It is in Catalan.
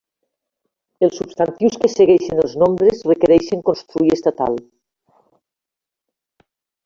Els substantius que segueixen els nombres requereixen construir estatal.